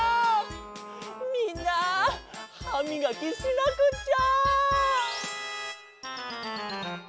みんなはみがきしなくっちゃ！